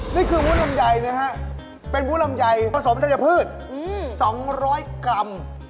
นี่คือวุ่นลำไยนะฮะเป็นวุ่นลำไยผสมทัยจพืช๒๐๐กรัมอ้อ